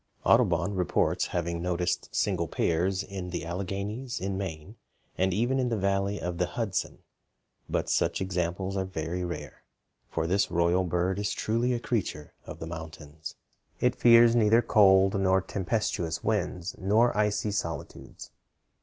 Audubon reports having noticed single pairs in the Alleghanies, in Maine, and even in the valley of the Hudson; but such examples are very rare, for this royal bird is truly a creature of the mountains. It fears neither cold nor tempestuous winds nor icy solitudes.